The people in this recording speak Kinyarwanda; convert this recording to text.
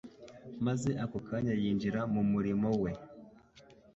maze ako kanya yinjira mu murimo we.